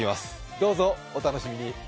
どうぞお楽しみに。